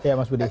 iya mas budi